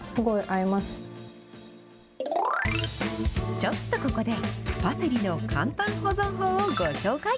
ちょっとここで、パセリの簡単保存法をご紹介。